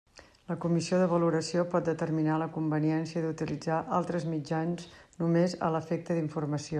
La comissió de valoració pot determinar la conveniència d'utilitzar altres mitjans només a l'efecte d'informació.